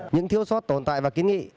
những thiếu sót tồn tại và kiến nghị